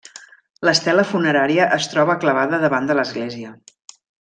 L'estela funerària es troba clavada davant de l'església.